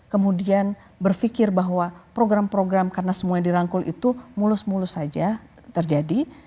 kemudian berpikir bahwa program program karena semua yang dirangkul itu mulus mulus saja terjadi